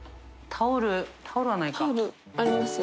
タオルありますよ。